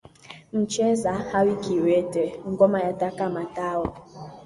Mcheza hawi kiwete, ngoma yataka matao